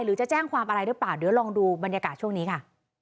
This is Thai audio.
หรือจะแจ้งความอะไรหรือเปล่าเดี๋ยวลองดูบรรยากาศช่วงนี้ค่ะ